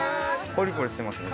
コリコリしてますね。